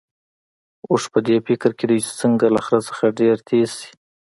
اوښ په دې فکر کې دی چې څنګه له خره څخه ډېر تېز شي.